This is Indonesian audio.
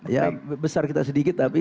ya besar kita sedikit tapi